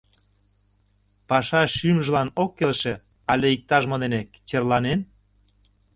Паша шӱмжылан ок келше але иктаж-мо дене черланен?